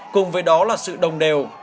cùng với đó là sự đồng đều